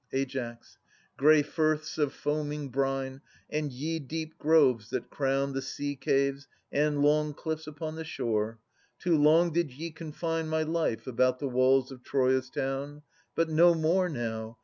Ai. Grey firths of foaming brine, And ye, deep groves, that crown The sea caves and long cliffs upon the shore. Too long did ye confine My life about the walls of Troia's town : But no more now!